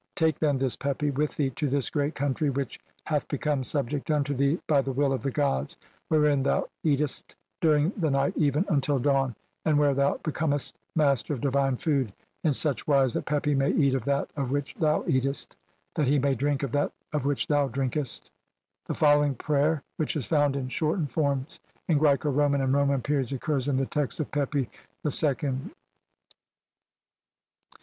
Take, then, this Pepi "with thee to this great country which hath become "subject unto thee by the will of the gods, wherein "thou eatest during the night even [until] dawn, and "where thou becomest master of divine food, in such "wise that Pepi may eat of that of which thou eatest, "that he may drink of that of which thou drinkest." THE ELYSIAN FIELDS OR HEAVEN. CXLV The following prayer, which is found in shortened forms in Graeco Roman and Roman periods, occurs in the text of Pepi II. 1. 669, ff.